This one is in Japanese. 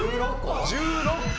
１６個。